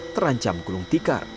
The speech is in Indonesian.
terancam gunung tikar